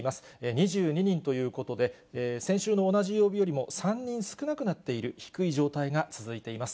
２２人ということで、先週の同じ曜日よりも３人少なくなっている低い状態が続いています。